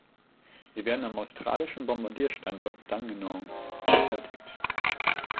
Sie werden am australischen Bombardier-Standort Dandenong gefertigt.